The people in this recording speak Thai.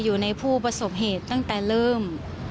อยู่ในผู้ประสบเหตุตั้งแต่เริ่ม